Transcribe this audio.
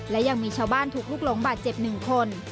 และยังมีชาวบ้านถูกลุกหลงบาดเจ็บ๑คน